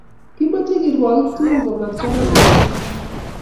Kimache kirwakik tugul komatkonamosoya